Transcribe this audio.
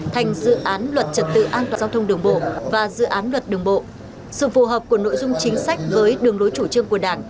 thành dự án luật trật tự an toàn giao thông đường bộ và dự án luật đường bộ sự phù hợp của nội dung chính sách với đường lối chủ trương của đảng